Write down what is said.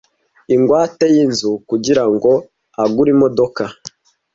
ingwate y’inzu kugirango agure imodoka